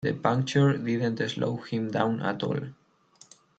The puncture didn't slow him down at all.